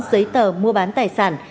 giấy tờ mua bán tài sản